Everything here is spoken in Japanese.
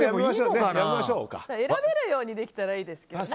選べるようにできたらいいですけどね。